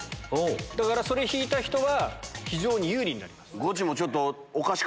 だからそれ引いた人は非常に有利になります。